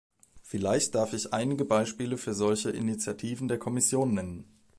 Vielleicht darf ich einige Beispiele für solche Initiativen der Kommission nennen.